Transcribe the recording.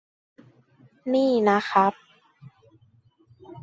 นี้นะครับ